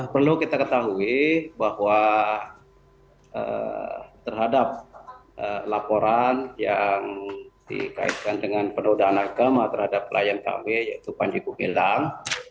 perlu kita ketahui bahwa terhadap laporan yang dikaitkan dengan penodaan agama terhadap klien kami yaitu panji gumilang